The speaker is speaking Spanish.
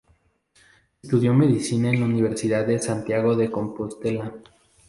Estudió Medicina en la Universidad de Santiago de Compostela.